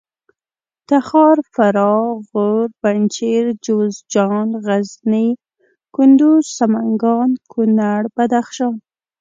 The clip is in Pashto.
تخار فراه غور پنجشېر جوزجان غزني کندوز سمنګان کونړ بدخشان